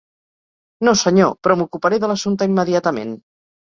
No, senyor, però m'ocuparé de l'assumpte immediatament.